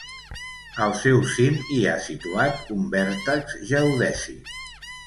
Al seu cim hi ha situat un vèrtex geodèsic.